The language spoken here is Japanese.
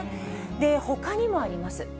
ほかにもあります。